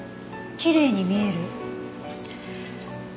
きれいに見える？